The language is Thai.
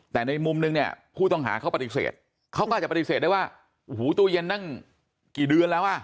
แต่ในมุมนึงเนี่ยผู้ต้องหาเขาปฏิเสธเขาก็อาจจะปฏิเสธได้ว่าโอ้โหตู้เย็นนั่งกี่เดือนแล้วอ่ะ